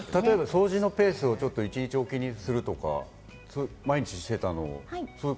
掃除のペースを例えば一日おきにするとか、毎日していたのを。